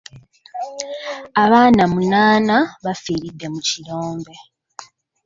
Abaana munaana bafiiridde mu kirombe.